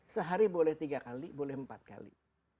sehari boleh tiga kali boleh empat kali